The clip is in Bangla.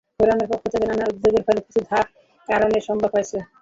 ফোরামের পক্ষ থেকে নানা উদ্যোগের ফলে কিছু ধাপ কমানো সম্ভব হয়েছে।